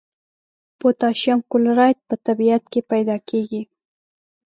پوتاشیم کلورایډ په طبیعت کې پیداکیږي.